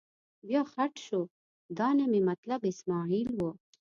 بیا خټ شو، دا نه مې مطلب اسمعیل و.